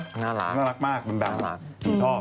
เจนระทบหักปากเป็นบำหรักฉันชอบ